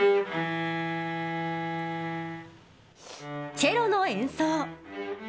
チェロの演奏。